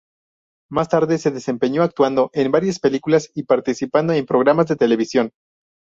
Más tarde se desempeñó actuando en varias películas y participando en programas de televisión.